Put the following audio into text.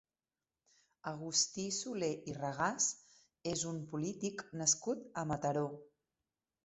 Agustí Soler i Regàs és un polític nascut a Mataró.